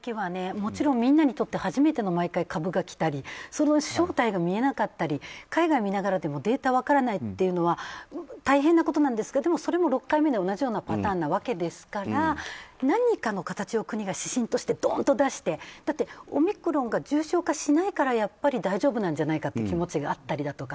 もちろんみんなにとって初めての株が来たりその正体が見えなかったり海外を見ながらデータが分からないというのは大変なことなんですけどそれも６回目で同じようなパターンなわけですから何かの形を国が指針としてどーんと出してだって、オミクロンが重症化しないからやっぱり大丈夫なんじゃないかという気持ちがあったりとか。